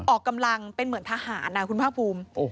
ออกกำลังเป็นเหมือนทหารนะคุณภาคภูมิ